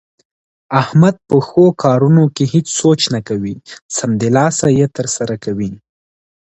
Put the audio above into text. احمد په ښو کارونو کې هېڅ سوچ نه کوي، سمدلاسه یې ترسره کوي.